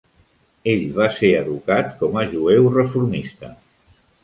Ell va ser educat com a jueu reformista.